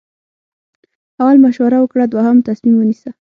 اول مشوره وکړه دوهم تصمیم ونیسه.